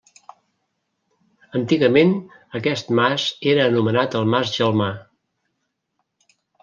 Antigament aquest mas era anomenat el Mas Gelmar.